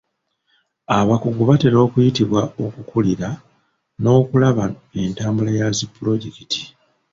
Abakugu batera okuyitibwa okukulira n'okulaba entambula ya zi pulojekiti.